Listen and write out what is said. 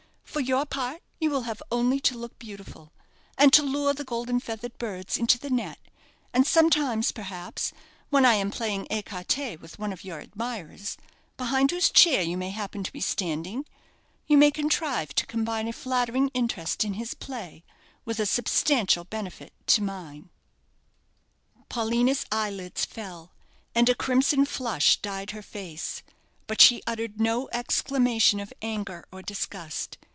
For your part, you will have only to look beautiful, and to lure the golden feathered birds into the net; and sometimes, perhaps, when I am playing écarté with one of your admirers, behind whose chair you may happen to be standing, you may contrive to combine a flattering interest in his play with a substantial benefit to mine." Paulina's eyelids fell, and a crimson flush dyed her face: but she uttered no exclamation of anger or disgust.